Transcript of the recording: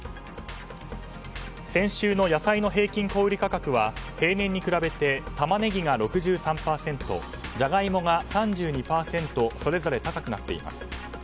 先週の野菜の平均小売価格は平年に比べてタマネギが６３％ジャガイモが３２％それぞれ高くなっています。